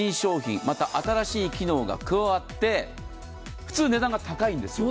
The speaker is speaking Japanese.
また新しい機能が加わって、普通、値段が高いんですよ。